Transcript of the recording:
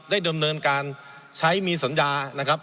ดำเนินการใช้มีสัญญานะครับ